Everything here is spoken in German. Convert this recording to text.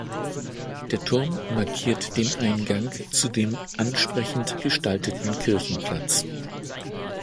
Der Turm markiert den Eingang zu dem ansprechend gestalteten Kirchenplatz.